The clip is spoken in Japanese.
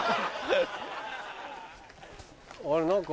あれ何か。